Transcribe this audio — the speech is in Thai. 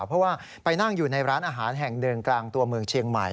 เพราะว่าไปนั่งอยู่ในร้านอาหารแห่งหนึ่งกลางตัวเมืองเชียงใหม่